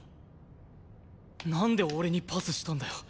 なんで俺にパスしたんだよ？